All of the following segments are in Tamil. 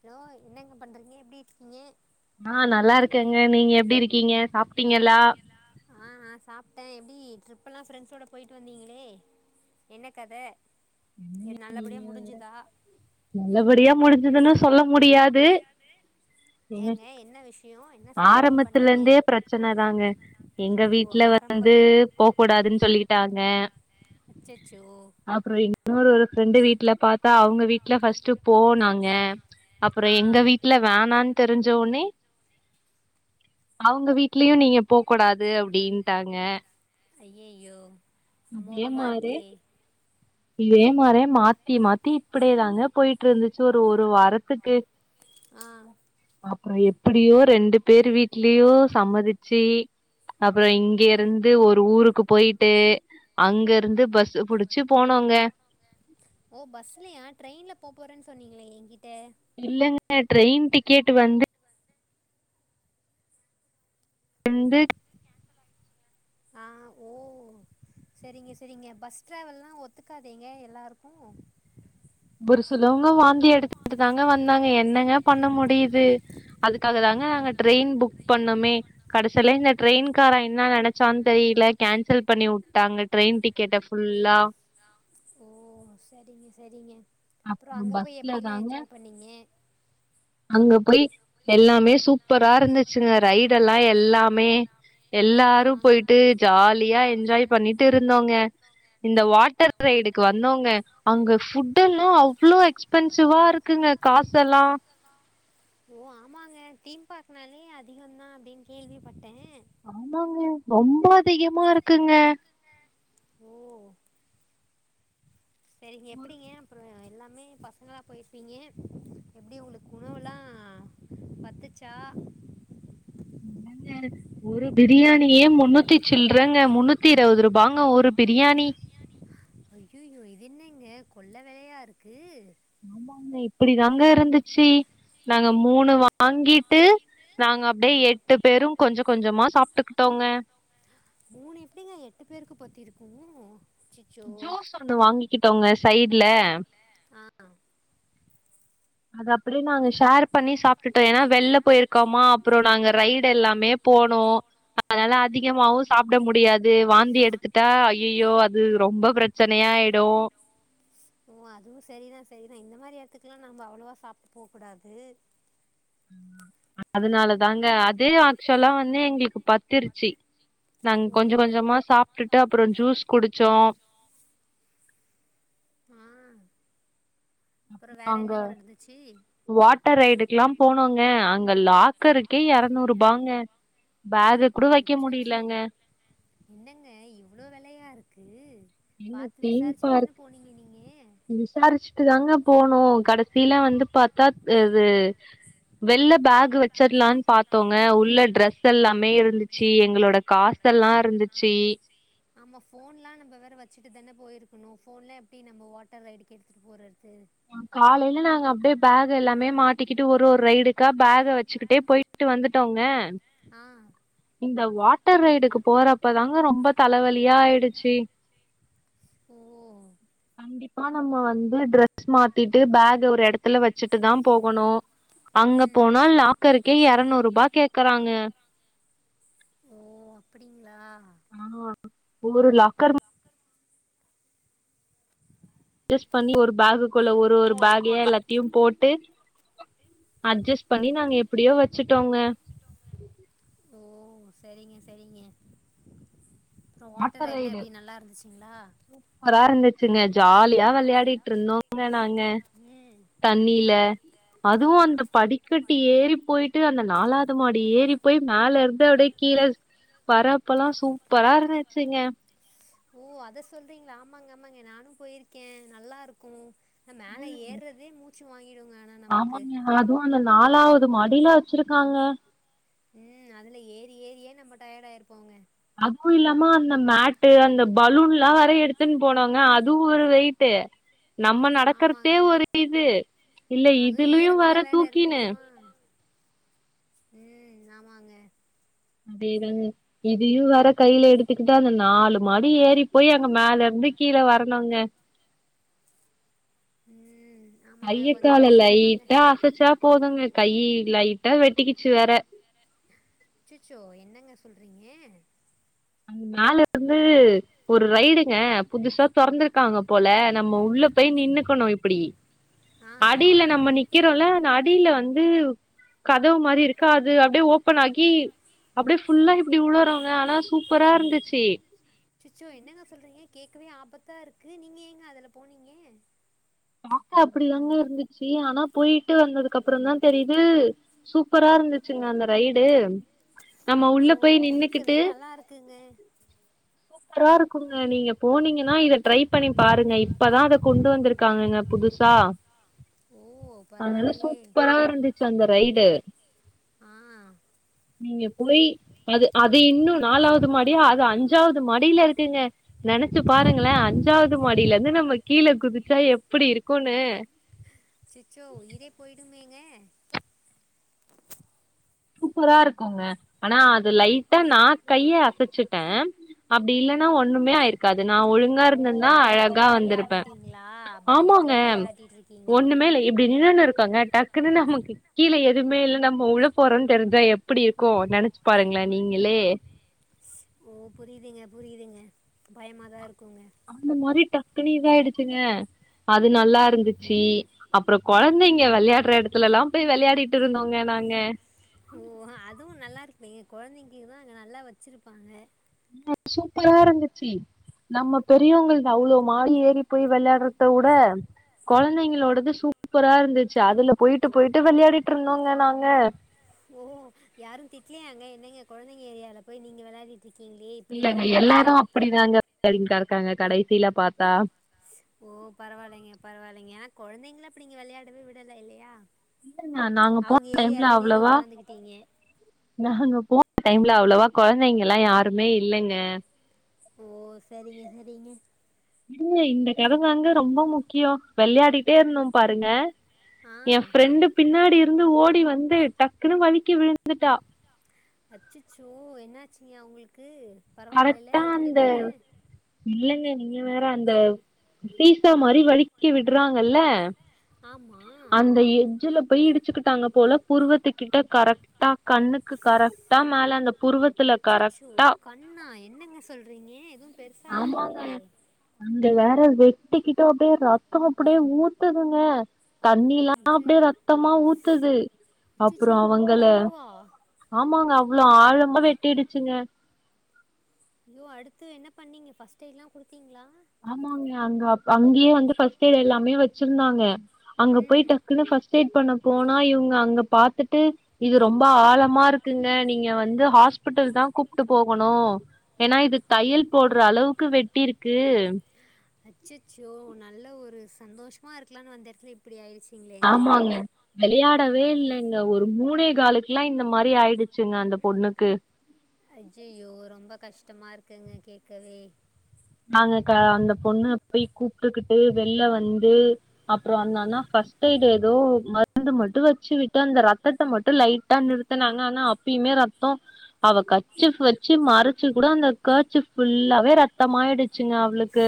ஹலோ என்னங்க பண்றீங்க எப்டி இருக்கீங்க ஆ நல்லா இருக்கேங்க நீங்க எப்டி இருக் க்கீங்க சாப்ட்டீங்கல்லா ஆ நா சாப்டே எப்டி ட்ரிப்பெல்லா ஃப்ரெண்ட்ஸோட போய்ட்டு வந்தீங்களே என்ன கத எ நல்லபடியா முடிஞ்சுதா துன்னா சொல்ல முடியாது ஏங்க என்ன விஷ ஆரம்பத்துல இருந்தே பிரச்சனை தாங்க எங்க வீட்டுல வந்து போகூடாதுன்னு சொல்லிட்டாங்க அப்புறம் இன்னொரு ஒரு பிரண்டு வீட்டு்ல பார்த்தா அவங்க வீட்டு்ல ஃபர்ஸ்ட்டு போனாங்க அப்புறம் எங்க வீட்டு்ல வேணான்னு தெரிஞ்சவுடனே அவங்க வீட்லயும் நீயும் போகூடாது அப்டின்ட்டாங்க ஐயய்யோ அதே மாரி இதே மாரே மாத்தி மாத்தி இப்டியேதாங்க போயிட்டு இருந்துச்சு ஒரு ஒரு வாரத்துக்கு ஆ அப்புறம் எப்டியோ ரெண்டு பேர் வீட்லயும் சம்மதிச்சு அப்புறம் இங்கிருந்து ஒரு ஊருக்கு போயிட்டு அங்க இருந்து பஸ்ஸ புடிச்சு போனோங்க சொன்னீங்களே எங்கிட் இல்லங்க எ ட்ரெயின் டிக்கெட் வந்து ரெண்டு ஆ ஓ செரிங்க செரிங்க பஸ் டிரவல்லாம் ஒத்துக்காதேங்க எல்லாருக்கும் ஒரு சிலவங்க வாந்தி எடுத்துட்டு தாங்க வந்தாங்க என்னங்க பண்ண முடியுது அதுக்காக தாங்க நாங்க ட்ரெயின் புக் பண்ணமே கடைசியில இந்த ட்ரெயின் காரேன் என்ன நினைச்சான்னு தெரியல கேன்சல் பண்ணி விட்டாங்க ட்ரெயின் டிக்கெட்ட புல்லா ஓ செரிங்க செரிங்க அப்புறம் அங்க போய் எப்டிங்க என்ஜாய் பண்ணீங்க அங்க போய் எல்லாமே சூப்பரா இருந்துச்சுங்க ரைடெல்லாம் எல்லாமே எல்லாரும் போய்ட்டு ஜாலியா என்ஜாய் பண்ணிட்டு இருந்தோங்க இந்த வாட்டர் ரைடுக்கு வந்தோங்க அங்க ஃபுட்டெல்லாம் அவ்வளோ எக்ஸ்பென்சிவா இருக்குங்க காசெல்லாம் ஓ ஆமாங்க தீ பார்க்குனாலே அதிகம் தான் அப்டின்னு கேள்விப்பட்டேன் ஆம்மாங்க ரொம்ப அதிகமா இருக்குங்க ஓ செரிங்க எப்படிங்க அப்புற எல்லாமே பசங்களா போயிருப்பீங்க எப்படி உங்களுக்கு உணவெல்லாம் பத்துச்சா என்னங்க ஒரு பிரியாணியே முன்னூத்தி சில்றங்க முன்னூத்தி இருவது ரூபாங்க ஒரு பிரியாணி அய்யோய்யோ இது என்னங்க கொல்ல வேலையா இருக்கு ஆமாங்க இப்படி தாங்க இருந்துச்சு நாங்க மூணு வாங்கிட்டு நாங்க அப்டியே எட்டு பேரும் கொஞ்சம் கொஞ்சமா சாப்பிட்டுக்கிட்டோங்க மூணு எப்டிங்க எட்டு பேருக்கு பத்தியிருக்கும் ஜூஸ் ஒன்னு வாங்கிக்கிட்டு ட்டோங்க சைடுல ஆ. அ அது அப்பிடி நாங்க ஷேர் பண்ணி சாப்பிட்டுட்டோ ஏன்னா வெள்ல போயிருக்காமா அப்புறோ நாங்க ரைடு எல்லாமே போனோ அதனால அதிகமாவு சாப்பிட முடியாது வாந்தி எடுத்துட்டா ஐய்அய்யோ அது ரொம்ப பிரச்சனையாயிடு ஓ அதுவு சரிதா சரிதா இந்த மாரி இடத்துக்குல்லா நம்ம அவ்வளவா சாப்ட்போ கூடாது அதனாலதாங்க அதே ஆக்சுவலா வந்து எங்களுக்கு பத்திருச்சி நாங் கொஞ்ச கொஞ்சமா சாப்பிட்டுட்டு அப்புறோ ஜூஸ் குடிச்சோ ஆ அங்க வாட்டர் ரைடுக்குல்லா போனோங்க அங்க லாக்கருக்கே எரநூரூபாங்க அச்சுச்சோ என்னங்க இவ்ளோ வெலையா இருக் க்கு என்ன தீம் பார்க் விசாரிச்சுட்டு தாங்க போனோ கடைசிலா வந்து பாத்தா து இது வெள்ள பேக் கு வச்சரலான் பாத்தோங்க உள்ள ட்ரெஸ் எல்லாமே இருந்துச்சி எங்களோட காசுல்லா இருந்துச்சி ஆமா ஃபோன்லா நம்ம வேற வச்சுட்டு தான போயிருக்கணு ஃபோன்லா எப்பிடி நம்ம வாட்டர் ரைடுக்கு எடுத்துட்டு போற ஆ காலையில நாங்க ப்பிடியே பேக் எல்லாமே மாட்டிக்கிட்டு ஒரு ஒரு ரைடுக்காக பேகவச்சுக்கிட்டே போயிட்டு வந்துட்டோங்க இந்த வாட்டர் ரைடுக்கு போறப்பதாங்க ரொம்ப தலவலியா ஆயிடுச்சி கண்டிப் ஆ நம்ம வந்து ட்ரெ ஸ் மாத்திட்டு பேக் ஒரு இடத்துல வச்சுட்டுதா போகுணு அங்க போனா லாக்கருக்கே இரநூறுரூபா கேக்குறாங்க ஓ அப்பிடிங்களா ஆ ஒவ்வொரு லாக்கர் பண்ணி ஒரு பேக் குள்ள ஒரு ஒரு பேக்கையா எல்லாத்தியு போட்டு அட்ஜஸ் பண்ணி நாங்க எப்பிடியோ வச்சுட்டோங்க ஓ சரிங்க சரிங்க வட்டார் ரைடு சூப்பரா இருந்துச்சுங்க ஜாலியா விளையாடிட்டு இருந்தோங்க நாங்க தண்ணில அதுவு அந்த படிக்கட்டி ஏறி போயிட்டு அந்த நாலாது மாடி ஏறி போய் மேல இருந்து அப்டியே கீழே வரப்பல்லா சூப்பரா இருந் சிங்க ஓ அத சொல்றீங்களா ஆமாங்க ஆமாங்க நானும் போயிருக்கேன் நல்லா இருக்கும் மேல ஏறுறதே [unintelligible] ஆமாங்க அதுவும் அந்த நாலாவது மடியிலா வச்சிருக்காங்க ம் அதுல ஏறி ஏறியே நம்ம டயர்ட ஆயிருப்போங்க அதுவும் இல்லாம அந்த மேட்டு அந்த பலூன் எல்லா வேற எடுத்துன்னு போனாங்க அதுவும் ஒரு வெயிட்டு நம்ம நடக்கறதே ஒரு இது இல்ல இதுலயும் வேற தூக்கினு ம் ஆமாங்க அதேதாங்க இதையும் வர கையில எடுத்துக்கிட்டு அந்த நாலு மாடி ஏறி போய் அங்க மேல இருந்து கீழ வரணுங்க கையைக்கால லைட்டா அசைச்சா போதுங்க கை லைட் ட்ட வெட்டிக்குச்சு வேற அச்சச்சோ என்னங்க சொல்றீங்க மேல இருந்து ஒரு ரைடுங்க புதுசா தொறந்திருக்காங்க போல நம்ம உள்ள போய் நின்னுக்கணும் இப்டி அடியில நம்ம நிக்கிறோம்ல அந்த அடியில வந்து கதவு மாரி இருக்கா அது அப்டியே ஓப்பன் ஆகி அப்டியே ஃபுல்லா இப்டி உழுறோங்க ஆனா சூப்பரா இருந்துச்சு அச்சசோ என்னங்க சொல்றீங்க கேட்கவே ஆபத்தா இருக்கு நீங்க ஏங்க அதுல போனீங்க பாக்க அப்டிதாங்க இருந்துச்சு ஆனா போயிட்டு வந்ததுக்கு அப்றோ தா தெரியுது சூப்பரா இருந்துச்சுங்க அந்த ரைடு நம்ம உள்ள போய் நின்னுகிட்டு சூப்பரா இருக்கும் நீங்க போனீங்கன்னா இத ட்ரை பண்ணி பாருங்க இப்பதான் அத கொண்டு வந்திருக்காங்கங்க புதுசா அதனால சூப்பரா இருந்துச்சு அந்த ரை [unintelligible] நீங்க போய் அது அது இன்னும் நாலாவது மாடியா அது அஞ்சாவது மடியில இருக்கங்க நினைச்சு பாருங்களேன் அஞ்சாவது மடியில இருந்து நம்ம கீழ குதிச்சா எப்டி இருக்கும்ன்னு அச்சச்சோ உயிரே போயிடுமே எ சூப்பரா இருக்குங்க ஆனா அது லைட்டா நா கைய அசைச்சுட்டேன் அப்டி இல்லன்னா ஒன்னுமே ஆயிருக்காது நான் ஒழுங்கா இருந்துதா அழகா வந்துருப்பேன் ஆமாங்க ஒண்ணுமே இல்ல இப்டி நின்னுனு இருக்காங்க டக்குன்னு நமக்கு கீழே எதுமே இல்ல நம்ம உழு போறோன்னு தெரிஞ்சா எப்டி இருக்கும் நெனைச்சு பாருங்களேன் நீங்களே ஓ புரியுதுங்க புரியுதுங்க பயமா தான் இருக்கும் அந்த மாரி டக்குனு இது அயி டுச்சுங்க அது நல்லா இருந்துச்சு அப்றோ கொழந்தைங்க விளையாடுற இடத்துல எல்லா போய் விளையாடி ஓ அதுவு நல்லாயிருக்கு குழந்தைக்கி தா இங்க நல்லா வெச்சிருப்பாங்க சூப்பரா இருந்துச்சு நம்ம பெரியவங்கள்து அவ்ளோ மாடி ஏறி போய் விளையாட்றத உட குழந்தைங்களோடது சூப்பரா இருந்துச்சு அதுல போயிட்டு போயிட்டு விளையாடிட்டு இருந்தோங்க நாங்க ஓ யாரு திட்லயாங்க என்னங்க குழந்தைங்க ஏரியால போய் நீங்க விளையாடி இல்லங்க எல்லாரு அப்படிதாங்க விளையாடிட்தாங்க இருக்காங்க கடைசியில பாத்தா ஓ பரவாயில்லைங்க பரவாயில்லைங்க ஆனா குழந்தைங்கள அப்ப நீங்க விளையாடவே விடல இல்லயா இல்லங்க நாங்க போன டைம்ல அவ்ளோவா நாங்க போன டைம் அவ்ளோவா கொழந்தைங்கல்லா யாருமே இல்லங்க ஓ செரிங்க செரிங்க இல்ல இந்த கததாங்க ரொம்போ முக்கியோ வெளையாடிட்டே இருந்தோ பாருங்க என் ஃப்ரெண்டு பின்னாடி இருந்து ஓடி வந் வந்து டக்குனு வலிக்கி விழுந்துட்டா அச்சச்சோ என்னாச்சுங்க அவுங்களுக்கு கரெக்டா அந்த இல்லங்க நீங்க வேற அந்த சீசா மாரி வலிக்கி விட்றாங்கல்ல அந்த எட்ஜ்ஜில போய் இடி ச்சிக்கிட்டாங்க போல புருவத்து கிட்ட கரெக்டா கண்ணுக்கு கரெக்ட்டா மேல அந்த புருவத்துல கரெக்ட்டா கண்ணா என்னங்க சொல்றீங்க எதுவு பெருசா அடி இல்லயே அந்த வேற வெட்டி கிட்டு அப்டியே ரத்தோ அப்டியே ஊத்துதுங்க தண்ணில்லா அப்டியே ரத்தமா ஊத் ஊத்துதூ அப்றோ அவுங்கள ஆமாங்க அவ்ளோ ஆழமா வெட்டிடுச்சிங்க அய்யோ அடுத்து என்ன பண்ணீங்க ஃபர்ஸ்ட் எய்ட்லா குடுத்தீங்ளா ஆமாங்க அங்க அங்கயே வந்து ஃபர்ஸ்ட் எய்ட் எல்லாமே வெச்சிருந்தாங்க அங்க போயி டக்குனு ஃபர்ஸ்ட் எய்ட் பண்ண போனா இவுங்க அங்க பாத்துட்டு இது ரொம்ப ஆழமா இருக்குங்க நீங்க வந்து ஹாஸ்பிட்டல் தா கூப்ட்டு போகணு ஏன்னா இது தையல் போட்ற அளவுக்கு வெட்டியிருக்கு [inaudible] அச்சச்சோ நல்ல ஒரு சந்தோஷமா இருக்கலானு வந்த எடத்துல இப்படி ஆயிடுச்சே ஆமாங்க விளையாட் வே இல்லங்க ஒரு மூணே காலுக்லா இந்த மாரி ஆயிடுச்சுங்க அந்த பொண்ணுக்கு அஜ்ஜய்யோ ரொம்ப கஷ்டமா இருக்குங்க கேக்கவே நாங்க க அந்த பொண்ணு போய் கூப்டுக்கிட்டு வெள்ல வந்து அப்றோ அந்தண்ணா ஃபஸ்ட் எய்டு் எதோ மருந்து மட்டு வச்சு விட்டு அந்த ரத்தத்த மட்டு லைட்டா நிறுத்துனாங்க ஆனா அப்பயுமே ரத்தோ அவ கச்சுஃப் வச்சு மறச்சு கூட அந்த கா்ச்சிஃப் ஃபுல்லாவே ரத் தமாயிடுச்சுங்க அவளுக்கு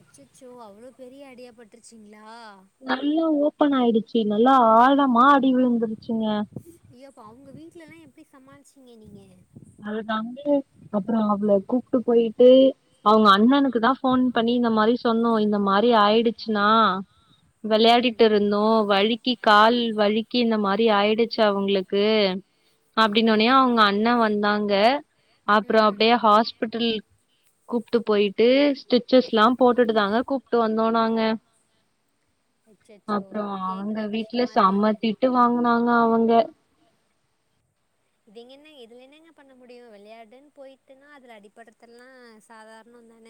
அச்சச்சோ அவ்ளோ பெரிய அடியா பட்ருச்சிங்ளா நல்லா ஓ ப்பன் ஆயிடுச்சு நல்லா ஆழ மா அடி விழுந்துருச்சுங்க சமாளிச்சிங்க நீங்க? அதுதாந்து அப்றோ அவள கூப்ட்டு போயிட்டு அவுங்க அண்ணனுக்கு தா ஃபோன் பண்ணி இந்த மாரி சொன்னோ இந்த மாரி ஆயிடுச்சிண்ணா வெளயாடிட்டிருந்தோ வழிக்கி கால் வழுக்கி இந்த மாரி ஆயிடுச்சு அவுங்ளுக்கு அப்டின்னோனயு அவுங்க அண்ண வந் தாங்க அப்றோ அப்டியே ஹாஸ்பிட்டல் கூப்ட்டு போயிட்டு ஸ்டிச்சஸ்லா போட்டுட்டு தாங்க கூப்ட்டு வந்தோ நாங்க அப்றோ அவுங்க வீட்ல செம்ம திட்டு வாங்குனாங்க அவுங்க இது எங்கென்ன இதுல என்னங்க பண்ண முடியு வெளயாடுன் போயிட்டுன்னா அதுல அடிபட்றதல்லா சாதாரணொந் தான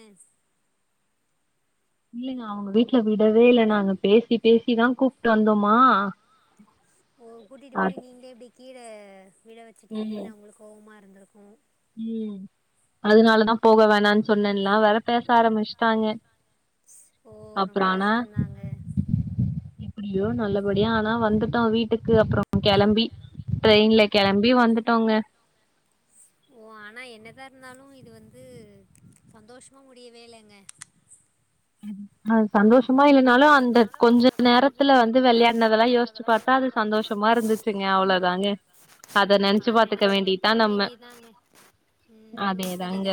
இல்லங்க அவுங்க வீட்ல விடவே இல்ல நாங்க பேசி பேசிதா கூப்ட்டு வந்தொமா ஓ கூட்டிட்டு போய் நீங்களே இப்டி கீழ விழ வச்சுட்டீங்ளேனு அவுங்ளுக்கு கோவமா இ ருந்துருக்கு ம் அதுனாலதா போக வேணான் சொன்னென்லா வேற பேச ஆரம்பிச்ட்டாங்க அப்றொ ஆனா எ ப்புடியோ நல்லபடியா ஆனா வந்துட்டோ வீட்டுக்கு அப்றொ கெளம்பி ட்ரெயின்ல கெளம்பி வந்துட்டோங்க ஓ ஆனா என்னதா இருந்தாலு இது வந்து சந்தோஷமா முடியவேலங்க ஆ சந்தோஷ மா இல்லன்னாலு அந்த கொஞ்ச நேரத்துல வந்து வெளயாட்னதெல்லா யோசிச்சு பாத்தா அது சந்தோஷமா இருந்துச்சுங்க அவ்ளொதாங்க அத நெனச்சு பாத்துக்க வேண்டியதா நம்ம அதேதாங்க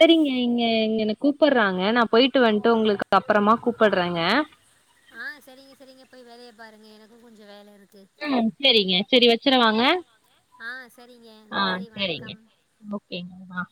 செரிங்க இங்க இங்க என கூப்பர்றாங்க நா போயிட்டு வன்ட்டு உங்களுக்கு அப்பறமா கூப்புட்றேங்க ஆ சரிங்க சரிங்க போய் வேலைய பாருங்க எனக்கு கொஞ்சொ வேல இரு ம் செரிங்க செரி வச்சுறவாங்க ஆ செரிங்க ஓகேங்க ஆ